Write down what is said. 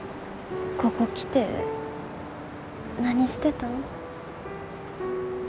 ここ来て何してたん？